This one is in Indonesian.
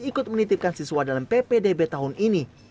ikut menitipkan siswa dalam ppdb tahun ini